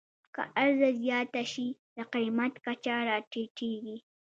که عرضه زیاته شي، د قیمت کچه راټیټېږي.